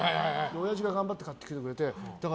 親父が頑張って買ってくれて。